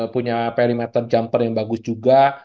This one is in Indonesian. punya perimeter jumper yang bagus juga